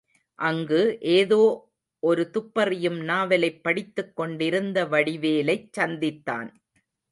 அங்கு ஏதோ ஒரு துப்பறியும் நாவலைப் படித்துக் கொண்டிருந்த வடிவேலைச் சந்தித்தான்.